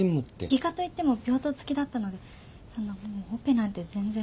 外科と言っても病棟付きだったのでそんなもうオペなんて全然。